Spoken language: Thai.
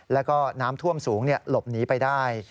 แล้วก็น้ำท่วมสูงหลบหนีไปได้